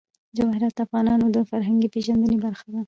جواهرات د افغانانو د فرهنګي پیژندنې برخه ده.